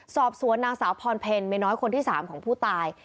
สอบสวนนางสาวพรเพลเมน้อยคนที่๓ของผู้ตาย